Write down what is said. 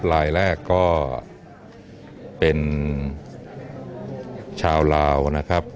ลายแรกก็เป็นชาวลาวนะครับ